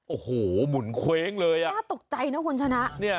โอ้โหหมุนเคว้งเลยอ่ะน่าตกใจนะคุณชนะเนี่ย